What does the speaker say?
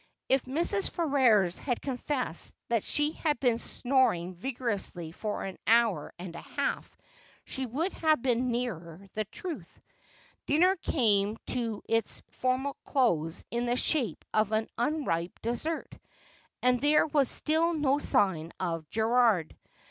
If Mrs. Ferrers had confessed that she had been snoring vigorously for an hour and a half, she would have been nearer the truth. Dinner came to its formal close in the shape of an unripe dessert, and there v/as still no sign of Gerald.